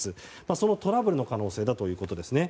そのトラブルの可能性だということですね。